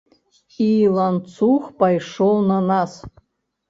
І ланцуг пайшоў на нас.